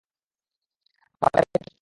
তাহলে আমি এটুকু শেষ করব।